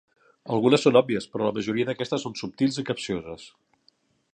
Algunes són òbvies però la majoria d'aquestes són subtils i capcioses.